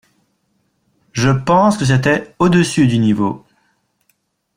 Je pense que c'était au-dessus du niveau.